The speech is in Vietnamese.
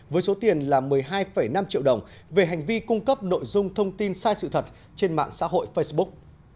với số tiền là một mươi hai năm triệu đồng về hành vi cung cấp nội dung thông tin sai sự thật trên mạng xã hội facebook